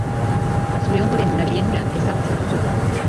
Zure ondoren dabilen hura ezagutzen duzu.